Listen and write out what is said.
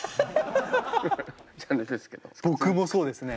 僕もそうですね。